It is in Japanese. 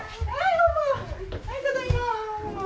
はいただいま。